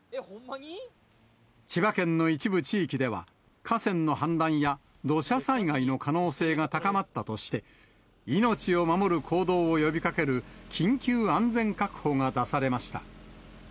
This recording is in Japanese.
千葉県の一部地域では、河川の氾濫や土砂災害の可能性が高まったとして、命を守る行動を呼びかける、緊急安全確保が出されました。